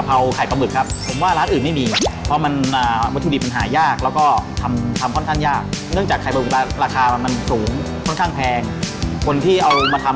เจ้าของกะเพราถาบที่นำมาให้เราชิมแบบจุกในวันนี้นะคะ